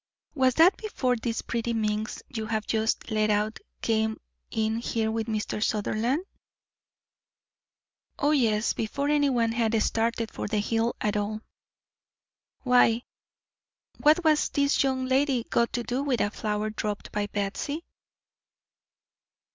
"Was that before this pretty minx you have just let out came in here with Mr. Sutherland?" "O yes; before anyone had started for the hill at all. Why, what has this young lady got to do with a flower dropped by Batsy?"